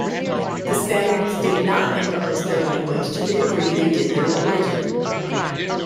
The Spaniards did not impose their language to the degree they did their religion.